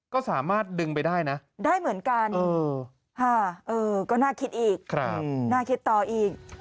ก็สามารถดึงไปได้นะได้เหมือนกันก็น่าคิดอีกน่าคิดต่ออีก